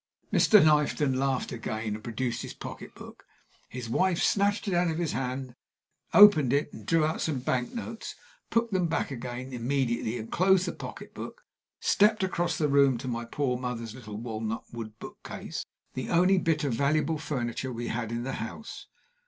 Mr. Knifton laughed again, and produced his pocketbook. His wife snatched it out of his hand, opened it, and drew out some bank notes, put them back again immediately, and, closing the pocketbook, stepped across the room to my poor mother's little walnut wood book case, the only bit of valuable furniture we had in the house.